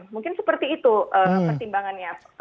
mungkin seperti itu pertimbangannya